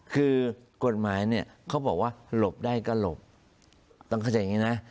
คือกฎหมายเนี่ยเขาบอกว่าหลบได้ก็หลบต้องเข้าใจอย่างนี้นะ